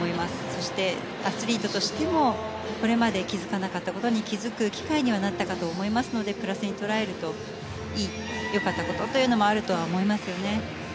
そして、アスリートとしてもこれまで気づかなかったことに気づく機会になったと思いますのでプラスに捉えると良かったこともあると思いますよね。